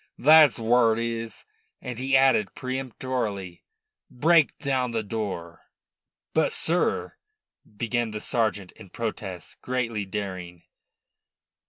"That's wharrit is." And he added peremptorily: "Break down the door." "But, sir," began the sergeant in protest, greatly daring.